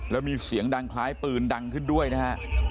แล้วมีเสียงดังคล้ายปืนดังขึ้นด้วยนะฮะ